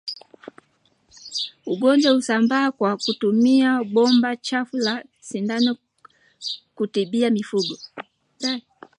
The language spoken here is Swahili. Ugonjwa husambaa kwa kutumia bomba chafu la sindano kutibia mifugo